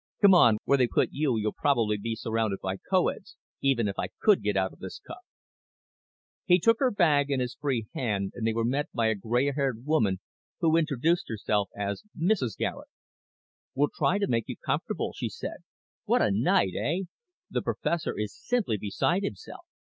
"Come on. Where they put you, you'll probably be surrounded by co eds, even if I could get out of this cuff." He took her bag in his free hand and they were met by a gray haired woman who introduced herself as Mrs. Garet. "We'll try to make you comfortable," she said. "What a night, eh? The professor is simply beside himself.